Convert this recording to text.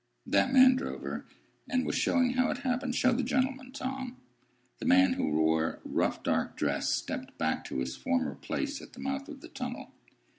That man drove her, and was showing how it happened. Show the gentleman, Tom." The man, who wore a rough dark dress, stepped back to his former place at the mouth of the tunnel.